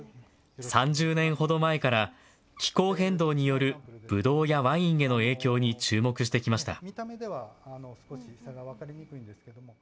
３０年ほど前から気候変動によるぶどうやワインへの影響に注目してきました。